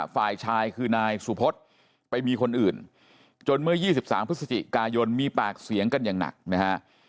ฝ่ายชายคือนายสุพศไปมีคนอื่นจนเมื่อ๒๓พฤศจิกายนมีปากเสียงกันอย่างหนักนะฮะ